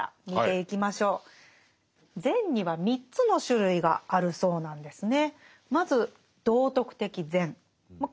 善には３つの種類があるそうなんですね。